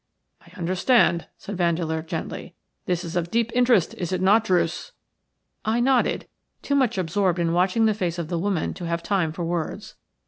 "I understand," said Vandeleur, gently. "This is of deep interest, is it not, Druce?" I nodded, too much absorbed in watching the face of the woman to have time for words.